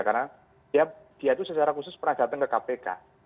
karena dia itu secara khusus pernah datang ke kpk